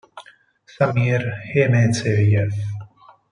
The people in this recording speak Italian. Samir Həmzəyev